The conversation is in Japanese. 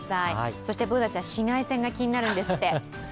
そしてＢｏｏｎａちゃん、紫外線が気になるんですって。